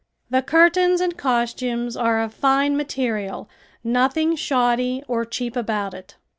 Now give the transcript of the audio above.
The curtains and costumes are of fine material, nothing shoddy or cheap about it.